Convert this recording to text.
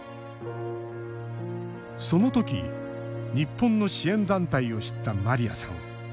そのとき日本の支援団体を知ったマリアさん。